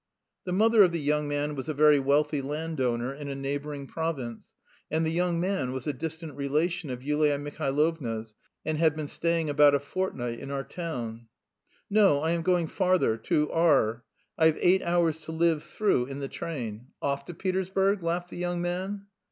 The mother of the young man was a very wealthy landowner in a neighbouring province, and the young man was a distant relation of Yulia Mihailovna's and had been staying about a fortnight in our town. "No, I am going farther, to R . I've eight hours to live through in the train. Off to Petersburg?" laughed the young man.